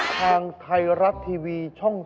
ทางไทยรัฐทีวีช่อง๓๒